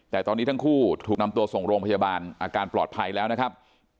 แต่ตอนนี้ทั้งคู่ถูกนำตัวส่งโรงพยาบาลอาการปลอดภัยแล้วนะครับ